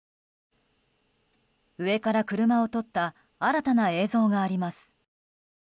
上から車を撮った新たな映像があります。